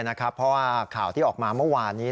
เพราะว่าข่าวที่ออกมาเมื่อวานนี้